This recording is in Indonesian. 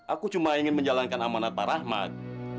aku cuma ingin menjalankan amanat para rahmat